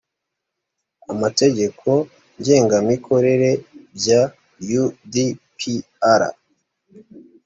amategeko ngengamikorere bya u d p r